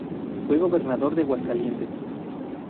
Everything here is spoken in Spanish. Fue gobernador de Aguascalientes.